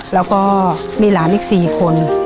แล้วก็มีหลานอีก๔คน